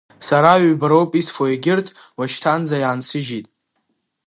Сара ҩба роуп исфа, егьырҭ уашьҭаназы иаансыжьит.